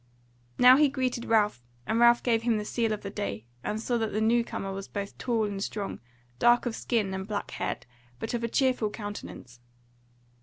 Now he greeted Ralph, and Ralph gave him the sele of the day, and saw that the new comer was both tall and strong, dark of skin and black haired, but of a cheerful countenance.